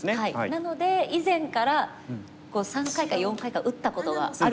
なので以前から３回か４回か打ったことがあるということで。